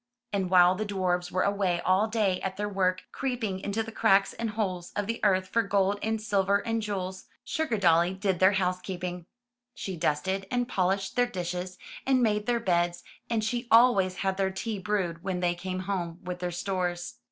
And while the dwarfs were away all day at their work, creeping into the cracks and holes of the earth for gold and silver and jewels, SugardoUy did their lOI M Y BOOK HOUSE housekeeping. She dusted, and polished their dishes, and made their beds, and she always had their tea brewed when they came home with their stores.